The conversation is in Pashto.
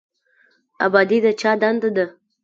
ابادي د چا دنده ده؟